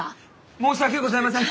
申し訳ございません！